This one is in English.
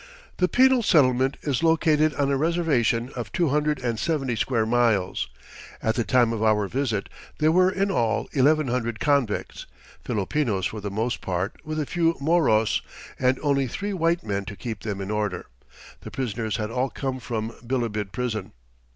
The penal settlement is located on a reservation of two hundred and seventy square miles. At the time of our visit there were in all eleven hundred convicts Filipinos for the most part, with a few Moros and only three white men to keep them in order. The prisoners had all come from Bilibid prison.